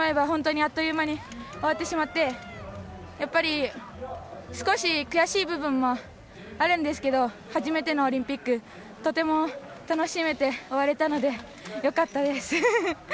本当に、あっという間に終わってしまってやっぱり少し悔しい部分もあるんですけど初めてのオリンピックとても楽しめて終われたのでよかったです。